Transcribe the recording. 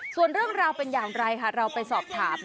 ส่วนเรื่องราวเป็นอย่างไรค่ะเราไปสอบถาม